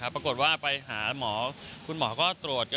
ปรากฏไปหาหมอคุณหมอก็ตรวจครับ